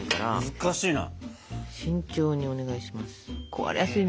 難しいな。